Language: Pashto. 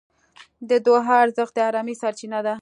د دعا ارزښت د ارامۍ سرچینه ده.